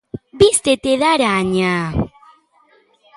Vístete de araña.